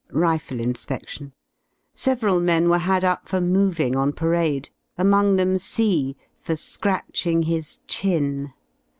Rifle inspection. Several men were had up for moving on parade, among them C for scratching his chin.